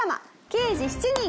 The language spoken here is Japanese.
『刑事７人』！